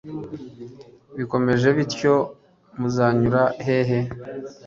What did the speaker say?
bikomeje bityo muzanyura hehe